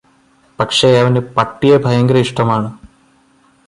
പക്ഷെ അവന് പട്ടിയെ ഭയങ്കര ഇഷ്ടമാണ്.